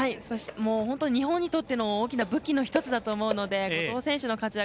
本当に日本にとっても武器の１つだと思うので後藤選手の活躍